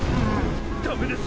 ダメです！